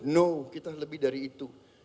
no kita lebih dari itu